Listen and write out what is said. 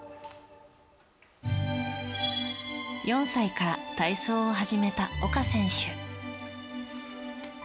４歳から体操を始めた岡選手。